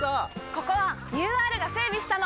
ここはＵＲが整備したの！